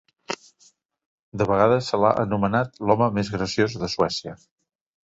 De vegades se l'ha anomenat "l'home més graciós de Suècia".